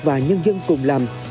và nhân dân cùng làm